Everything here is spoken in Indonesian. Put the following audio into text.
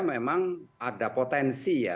memang ada potensi ya